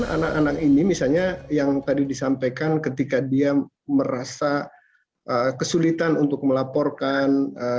anak anak ini misalnya yang tadi disampaikan ketika dia merasa kesulitan untuk melaporkan